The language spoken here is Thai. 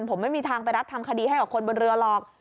ผมไม่มีทางไปรับทำคดีให้กับคนบนเรือหรอก